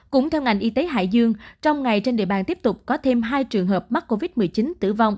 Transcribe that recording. cũng theo ngành y tế hải dương trong ngày trên địa bàn tiếp tục có thêm hai trường hợp mắc covid một mươi chín tử vong